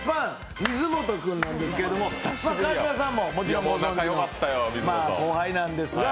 水本君なんですけど川島さんももちろん、後輩なんですが。